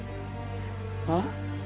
あっ？